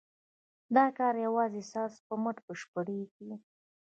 دا کار یوازې ستاسو په مټ بشپړېږي.